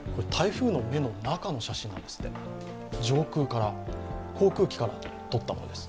台風の目の中の写真なんですって、上空、航空機から撮ったものです。